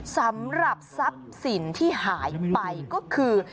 สำหรับทรัพย์สินที่หายไปก็คือ